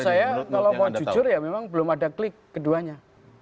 saya kalau mau jujur ya memang belum ada klik keduanya